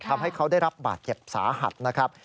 ทำให้เขาได้รับบาดเจ็บสาหัสนะครับ